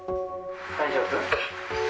大丈夫？